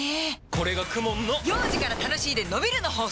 これがＫＵＭＯＮの幼児から楽しいでのびるの法則！